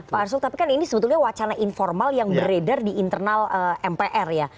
pak arsul tapi kan ini sebetulnya wacana informal yang beredar di internal mpr ya